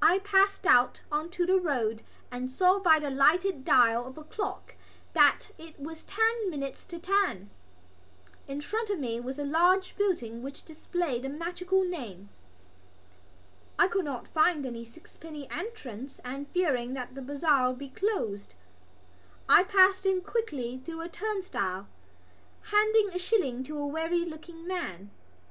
I passed out on to the road and saw by the lighted dial of a clock that it was ten minutes to ten. In front of me was a large building which displayed the magical name. I could not find any sixpenny entrance and, fearing that the bazaar would be closed, I passed in quickly through a turnstile, handing a shilling to a weary looking man.